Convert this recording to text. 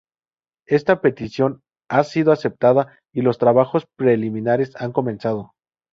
Esta petición ha sido aceptada y los trabajos preliminares han comenzado.